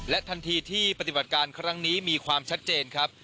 ทันทีที่ปฏิบัติการครั้งนี้มีความชัดเจนครับ